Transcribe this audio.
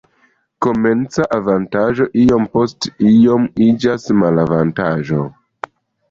Komenca avantaĝo iom post iom iĝas malavantaĝo.